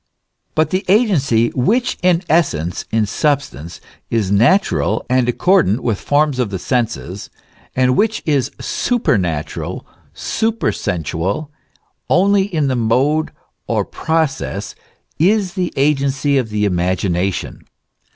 But the * Gen. xviii. 14. THE MYSTERY OF FAITH. 129 agency which in essence, in substance, is natural and accord ant with the forms of the senses, and which is supernatural, supersensual, only in the mode or process, is the agency of the imagination.